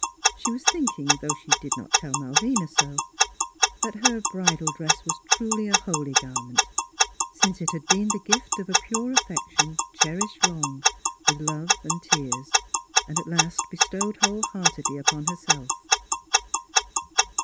She was / thinking, though she did not tell Malvina [ai6] Miss Fhilura's Wedding Gown so, that her bridal dress was truly a holy garment, since it had been the gift of a pure affection, cherished long, with love and tears, and at last bestowed whole heartedly upon herself.